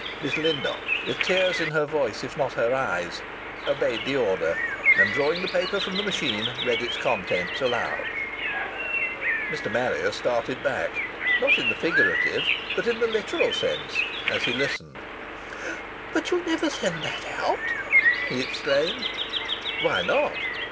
Miss Lindop, with tears in her voice if not in her eyes, obeyed the order and, drawing the paper from the machine, read its contents aloud. Mr. Marrier started back not in the figurative but in the literal sense as he listened. "But you'll never send that out!" he exclaimed. "Why not?"